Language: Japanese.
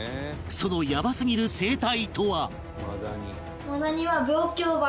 そのヤバすぎる生態とは？